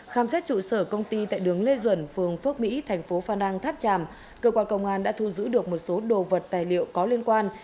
khám xét trụ sở công ty tại đường lê duẩn phường phước mỹ thành phố phan rang tháp tràm cơ quan công an đã thu giữ được một số đồ vật tài liệu có liên quan